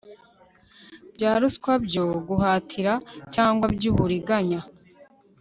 bya ruswa byo guhatira cyangwa by uburiganya